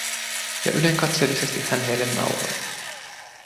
Ja ylenkatseellisesti hän heille nauroi.